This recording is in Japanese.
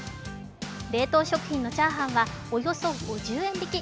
冷凍食品のチャーハンは、およそ５０円引き。